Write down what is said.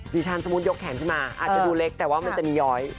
ดิฉันสมมุติยกแขนขึ้นมาอาจจะดูเล็กแต่ว่ามันจะมีย้อย